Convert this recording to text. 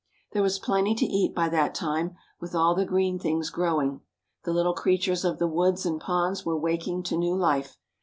There was plenty to eat by that time, with all the green things growing. The little creatures of the woods and ponds were waking to new life.